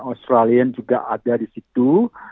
australian juga ada di situ